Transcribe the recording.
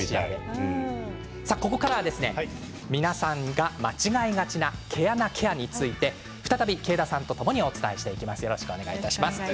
ここからは皆さんが間違いがちな毛穴ケアについて再び慶田さんとお伝えしていきます。